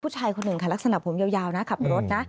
ผู้ชายคนหนึ่งค่ะลักษณะผมยาวนะขับรถนะ